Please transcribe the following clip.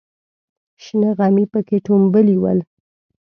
شنه غمي پکې ټومبلې ول.